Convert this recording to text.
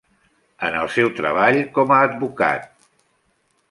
En el seu treball com a advocat.